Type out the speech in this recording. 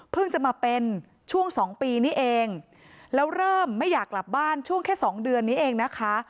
จะมาเป็นช่วง๒ปีนี้เองแล้วเริ่มไม่อยากกลับบ้านช่วงแค่สองเดือนนี้เองนะคะ